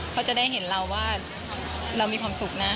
เขาจะได้เห็นเราว่าเรามีความสุขนะ